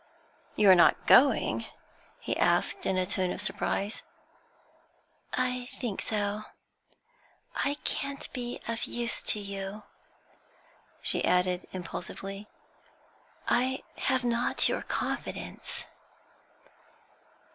'You are not going?' he asked, in a tone of surprise. 'I think so; I can't be of use to you,' she added, impulsively; 'I have not your confidence.'